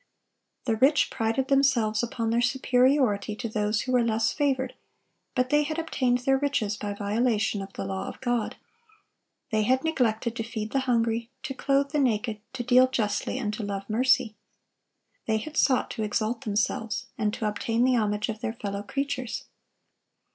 The rich prided themselves upon their superiority to those who were less favored; but they had obtained their riches by violation of the law of God. They had neglected to feed the hungry, to clothe the naked, to deal justly, and to love mercy. They had sought to exalt themselves, and to obtain the homage of their fellow creatures.